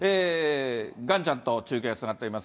岩ちゃんと中継がつながっています。